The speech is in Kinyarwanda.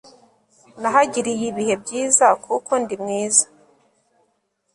nahagiriye ibihe byiza kuko ndimwiza